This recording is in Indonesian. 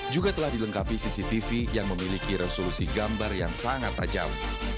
juga telah dilengkapi cctv yang memiliki resolusi gambar yang sangat tajam